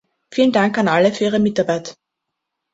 Vielen Dank an alle für Ihre Mitarbeit.